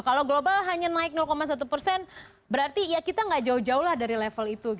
kalau global hanya naik satu persen berarti ya kita gak jauh jauh lah dari level itu